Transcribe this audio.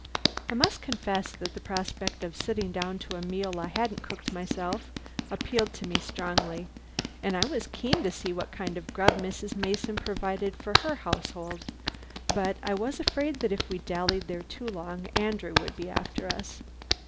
I must confess that the prospect of sitting down to a meal I hadn't cooked myself appealed to me strongly; and I was keen to see what kind of grub Mrs. Mason provided for her household; but I was afraid that if we dallied there too long Andrew would be after us.